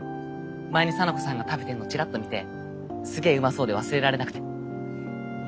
前に沙名子さんが食べてんのちらっと見てすげえうまそうで忘れられなくて。